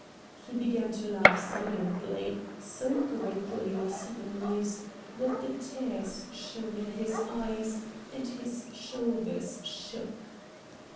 He began to laugh silently; so greatly was he amused that the tears shone in his eyes and his shoulders shook.